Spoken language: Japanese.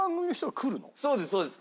そうですそうです。